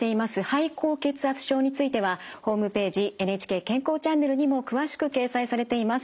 肺高血圧症についてはホームページ「ＮＨＫ健康チャンネル」にも詳しく掲載されています。